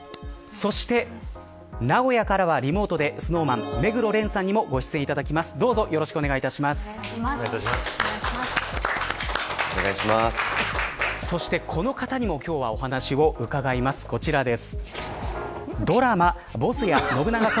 そして名古屋からはリモートで、ＳｎｏｗＭａｎ目黒蓮さんにもご出演いただきます。